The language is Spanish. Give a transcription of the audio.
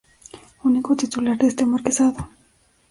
Único titular de este marquesado.